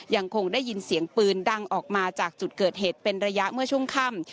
ยังคงได้ยินเสียงปืนดังออกมาจากจุดเกิดเหตุเป็นระยะเมื่อช่วงค่ำ